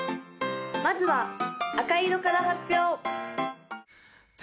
まずは赤色から発表！